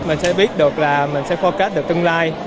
mình sẽ biết được là mình sẽ forecast được tương lai